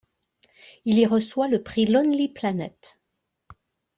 Il y reçoit le Prix Lonely Planet.